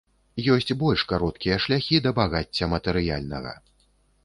Ёсць больш кароткія шляхі да багацця матэрыяльнага.